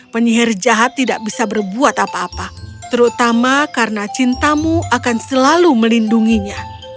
penyihir jahat tidak bisa berbuat apa apa terutama karena cintamu akan selalu melindunginya